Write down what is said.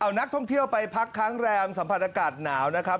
เอานักท่องเที่ยวไปพักค้างแรมสัมผัสอากาศหนาวนะครับ